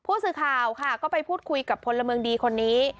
ผู้สื่อข่าวค่ะก็ไปพูดคุยกับพลเมืองดีคนนี้